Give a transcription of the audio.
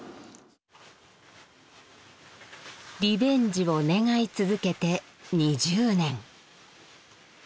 リベンジを願い続けて２０年。